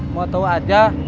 mau tau aja